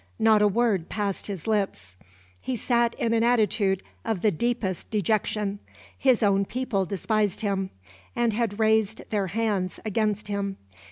Not a word passed his lips. He sat in an attitude of the deepest dejection. His own people despised him, and had raised their hands against him.